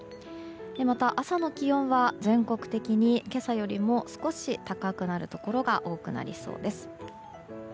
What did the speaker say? また、朝の気温は全国的に今朝よりも少し高くなるところが多くなりそうです。